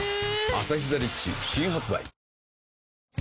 「アサヒザ・リッチ」新発売